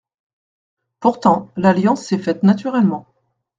Pourtant, l’alliance s’est faite naturellement.